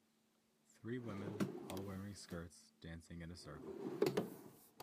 Three women, all wearing skirts, dancing in a circle.